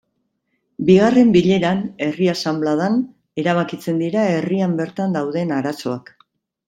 Bigarren bileran herri asanbladan erabakitzen dira herrian bertan dauden arazoak.